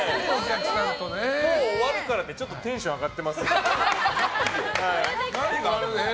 もう終わるからってテンション上がってますよね？